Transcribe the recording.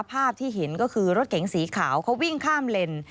ภาพที่เห็นก็คือรถเก๋งสีขาวเขาวิ่งข้ามเลน